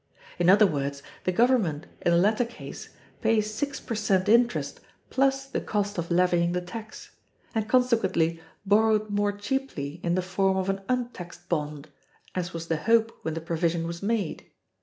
In other words the Government, in the latter case, pays six per cent interest plus the cost of levying the tax; and consequently borrowed more cheaply in the form of an untaxed bond, as was the hope when the provision was made.